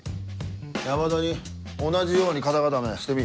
山田に同じように肩固めしてみ。